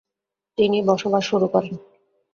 তিনি বাসবাস শুরু করেন।